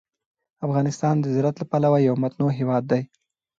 افغانستان د زراعت له پلوه یو متنوع هېواد دی.